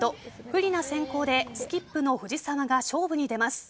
不利な先攻でスキップの藤澤が勝負に出ます。